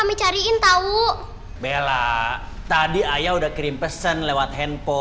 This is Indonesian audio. mami gak terima pesan apa apa